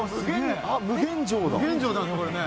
無限城だねこれね。